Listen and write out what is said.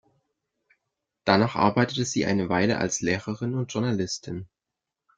Danach arbeitete sie eine Weile als Lehrerin und Journalistin.